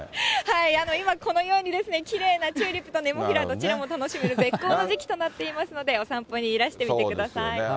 今、このようにですね、きれいなチューリップとネモフィラ、どちらも楽しめる絶好の時期となっていますので、お散歩にいらしてみそうですね。